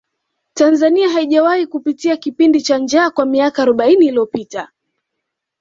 tanzania haijawahi kupitia kipindi cha njaa kwa miaka arobaini iliyopita